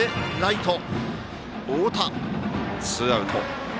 ツーアウト。